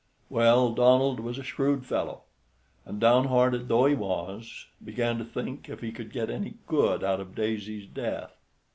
Well, Donald was a shrewd fellow, and, downhearted though he was, began to think if he could get any good out of Daisy's death.